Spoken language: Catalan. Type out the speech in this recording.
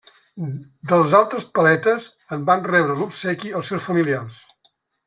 Dels altres paletes, en van rebre l'obsequi els seus familiars.